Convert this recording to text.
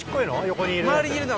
横にいる。